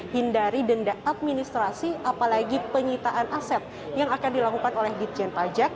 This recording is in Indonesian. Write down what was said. hindari denda administrasi apalagi penyitaan aset yang akan dilakukan oleh ditjen pajak